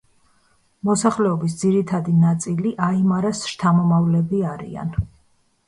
მოსახლეობის ძირითადი ნაწილი აიმარას შთამომავლები არიან.